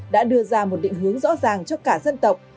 đã đưa ra một định hướng rõ ràng cho cả dân tộc